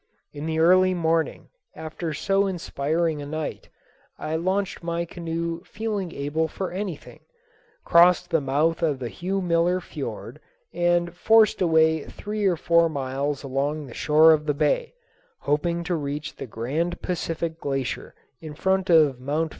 In the early morning after so inspiring a night I launched my canoe feeling able for anything, crossed the mouth of the Hugh Miller fiord, and forced a way three or four miles along the shore of the bay, hoping to reach the Grand Pacific Glacier in front of Mt.